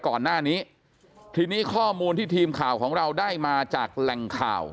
ก่อนหน้านี้ทีนี้ข้อมูลที่ทีมข่าวของเราได้มาจากแหล่งข่าว